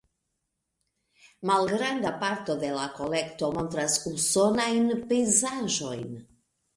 Malgranda parto de la kolekto montras usonajn pejzaĝojn.